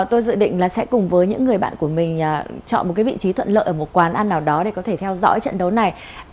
tôi dự định là sẽ cùng với những người bạn của mình chọn một vị trí thuận lợi ở một quán ăn nào đó để có thể theo dõi trận đấu này